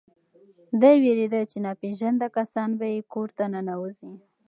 دی وېرېده چې ناپېژانده کسان به یې کور ته ننوځي.